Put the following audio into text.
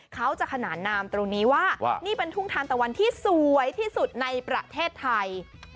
ขนานนามตรงนี้ว่านี่เป็นทุ่งทานตะวันที่สวยที่สุดในประเทศไทย